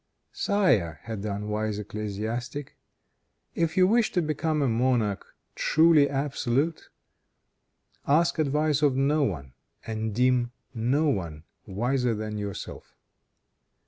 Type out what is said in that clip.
"Sire," said this unwise ecclesiastic, "if you wish to become a monarch truly absolute, ask advice of no one, and deem no one wiser than yourself.